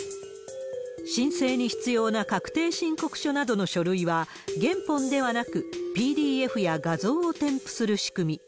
申請に必要な確定申告書などの書類は、原本ではなくＰＤＦや画像を添付する仕組み。